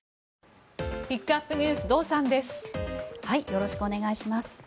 よろしくお願いします。